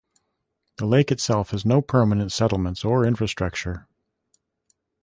The lake itself has no permanent settlements or infrastructure.